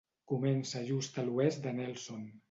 Comença just a l'oest de Nelson.